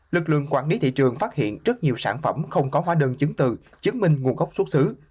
lực lượng quản lý thị trường phát hiện rất nhiều sản phẩm không có hóa đơn chứng từ chứng minh nguồn gốc xuất xứ